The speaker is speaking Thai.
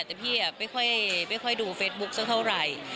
แต่พี่ไม่ค่อยดูเฟซบุ๊คสักเท่าไหร่